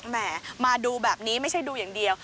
แหมมาดูแบบนี้ไม่ใช่ดูอย่างเดียว